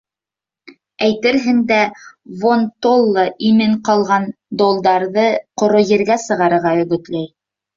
Әйтерһең дә, Вон-толла имен ҡалған долдарҙы ҡоро ергә сығырға өгөтләй.